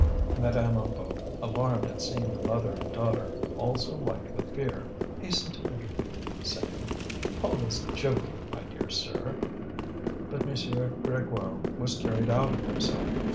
Madame Hennebeau, alarmed at seeing the mother and daughter also white with fear, hastened to intervene, saying: "Paul is joking, my dear sir." But M. Grégoire was carried out of himself.